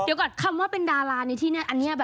เดี๋ยวก่อนคำว่าเป็นดาราในที่เนี่ยอันนี้